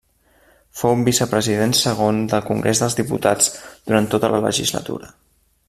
Fou vicepresident segon del Congrés dels Diputats durant tota la legislatura.